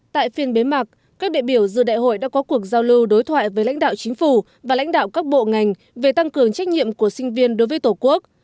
tại phiên bế mạc các đệ biểu dư đại hội đã có cuộc giao lưu đối thoại với lãnh đạo chính phủ và lãnh đạo các bộ ngành về tăng cường trách nhiệm của sinh viên đối với tổ quốc